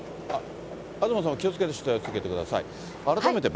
東さんも気をつけて取材を続けてください。